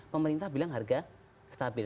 pemerintah bilang harga stabil